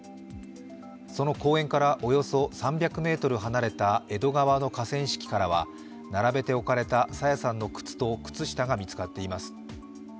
その公園からおよそ３００ｍ離れた江戸川の河川敷からは、並べて置かれた朝芽さんの靴と靴下が見つかっています。